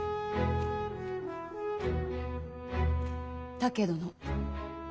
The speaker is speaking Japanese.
竹殿。